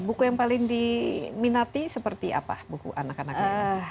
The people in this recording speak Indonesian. buku yang paling diminati seperti apa buku anak anaknya